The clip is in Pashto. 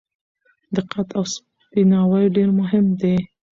دقت او سپیناوی ډېر مهم دي.